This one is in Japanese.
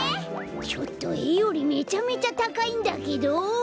ちょっとえよりめちゃめちゃたかいんだけど。